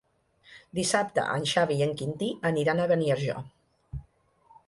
Dissabte en Xavi i en Quintí aniran a Beniarjó.